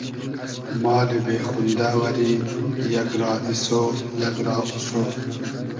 مالی بې خۉندۂ وئری یئگ را ایسۉ , یئگ را اوسۉ